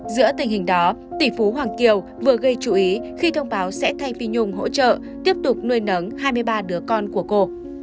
giữa tình hình đó tỷ phú hoàng kiều vừa gây chú ý khi thông báo sẽ thay phi nhung hỗ trợ tiếp tục nuôi nấng hai mươi ba đứa con của cô